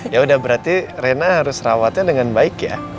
yaudah berarti rena harus rawatnya dengan baik ya